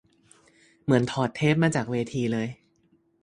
เหมือนถอดเทปมาจากเวทีเลย